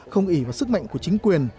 không ủy vào sức mạnh của chính quyền